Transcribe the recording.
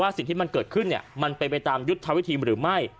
สิ่งที่มันเกิดขึ้นมันเป็นไปตามยุทธวิธีหรือไม่